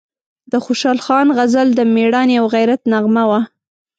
د خوشحال خان غزل د میړانې او غیرت نغمه وه،